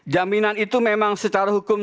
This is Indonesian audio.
jaminan itu memang secara hukum